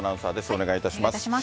お願いいたします。